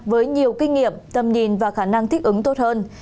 với nhiều kinh nghiệm tầm nhìn và khả năng thích ứng tốt hơn